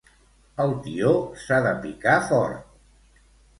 El tió s'ha de picar fort.